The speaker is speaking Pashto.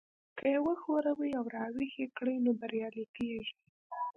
که يې وښوروئ او را ويښ يې کړئ نو بريالي کېږئ.